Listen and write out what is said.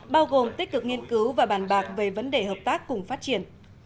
bao gồm tích cực nghiên cứu và bàn bạc về vấn đề hợp tác cùng phát triển